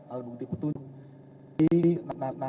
alat bukti petunjuk